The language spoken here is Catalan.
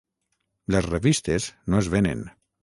Les revistes no es venen.